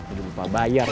ini lu pak bayar